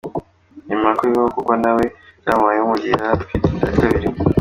Yemera ko bibaho kuko na we byamubayeho mu gihe yari atwite inda ya kabiri.